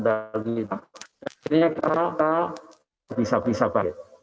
dan akhirnya kita bisa bisa baik